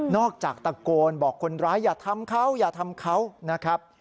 จากตะโกนบอกคนร้ายอย่าทำเขาอย่าทำเขานะครับ